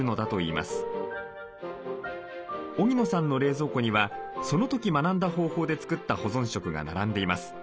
荻野さんの冷蔵庫にはその時学んだ方法で作った保存食が並んでいます。